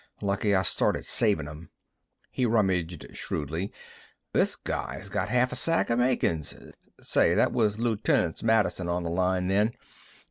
Lucky I started savin' 'em." He rummaged shrewdly. "This guy's got half a sack o' makin's. Say, that was Loot'n't Madison on the line, then.